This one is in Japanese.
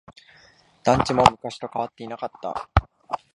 団地も昔と変わっていなかった。